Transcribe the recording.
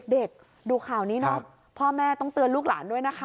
ดูข่าวนี้เนอะพ่อแม่ต้องเตือนลูกหลานด้วยนะคะ